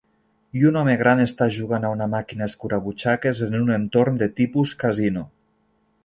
I un home gran està jugant a una màquina escurabutxaques en un entorn de tipus casino.